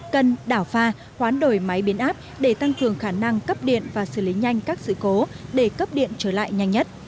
cần đảo pha hoán đổi máy biến áp để tăng cường khả năng cấp điện và xử lý nhanh các sự cố để cấp điện trở lại nhanh nhất